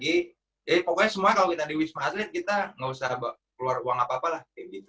jadi pokoknya semua kalau kita di wisma atlet kita nggak usah keluar uang apa apa lah